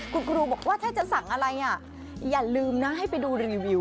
คุณครูบอกว่าถ้าจะสั่งอะไรอ่ะอย่าลืมนะให้ไปดูรีวิว